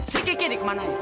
si kiki di kemana